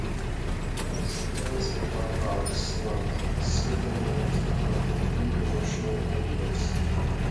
As sales of bon-bons slumped, Smith began to come up with new promotional ideas.